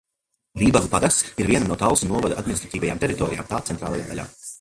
Lībagu pagasts ir viena no Talsu novada administratīvajām teritorijām tā centrālajā daļā.